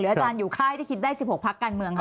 อาจารย์อยู่ค่ายที่คิดได้๑๖พักการเมืองค่ะ